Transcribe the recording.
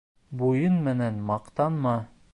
Буйың менән маҡтанма